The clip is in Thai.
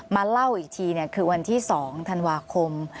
มาเล่าอีกทีคือวันที่๒ธันวาคม